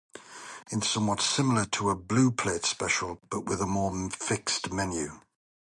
It is somewhat similar to a blue-plate special but with a more fixed menu.